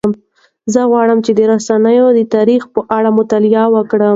زه غواړم چې د رسنیو د تاریخ په اړه مطالعه وکړم.